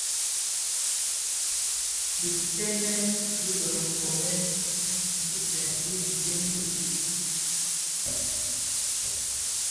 Bitenmen bi bë nkomèn ntutusèn dhi biden bi bum,